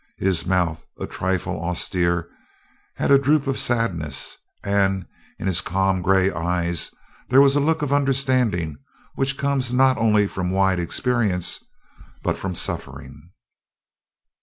His mouth, a trifle austere, had a droop of sadness, and in his calm gray eyes there was the look of understanding which comes not only from wide experience but from suffering.